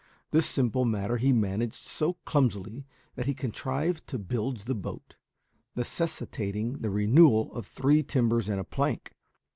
This simple matter he managed so clumsily that he contrived to bilge the boat, necessitating the renewal of three timbers and a plank.